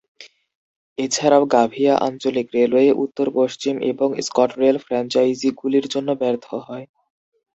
এছাড়াও গাভিয়া আঞ্চলিক রেলওয়ে উত্তর পশ্চিম এবং স্কটরেল ফ্র্যাঞ্চাইজিগুলির জন্য ব্যর্থ হয়।